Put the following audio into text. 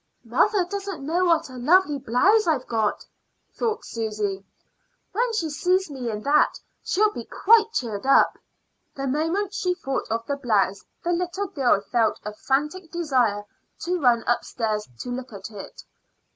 "Mother doesn't know what a lovely blouse I've got," thought Susy. "When she sees me in that she'll be quite cheered up." The moment she thought of the blouse the little girl felt a frantic desire to run upstairs to look at it.